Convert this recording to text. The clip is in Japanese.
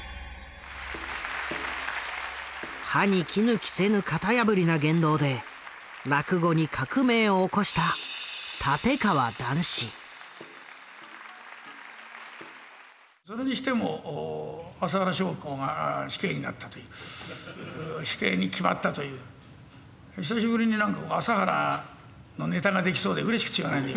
歯に衣着せぬ型破りな言動で落語に革命を起こしたそれにしても麻原彰晃が死刑になったという死刑に決まったという久しぶりになんか麻原のネタができそうでうれしくてしょうがないんだ